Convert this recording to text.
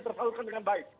tersalurkan dengan baik